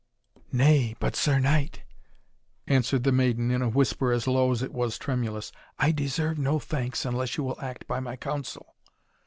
"Nay, but, Sir Knight," answered the maiden, in a whisper as low as it was tremulous, "I deserve no thanks unless you will act by my counsel.